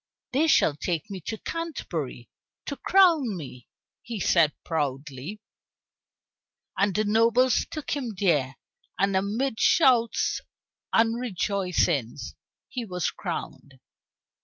"They shall take me to Canterbury to crown me," he said proudly. And the nobles took him there, and amid shouts and rejoicings he was crowned.